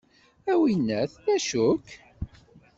A winnat d acu-k?